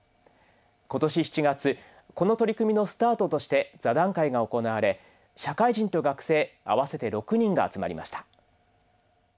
今年７月この取り組みのスタートとして座談会が行われ社会人と学生合わせて６人が集まりました。